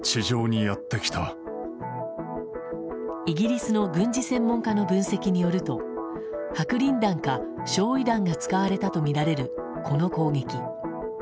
イギリスの軍事専門家の分析によると白リン弾か焼夷弾が使われたとみられるこの攻撃。